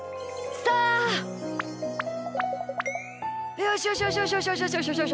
よし、よしよし、よしよし。